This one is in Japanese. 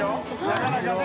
なかなかね。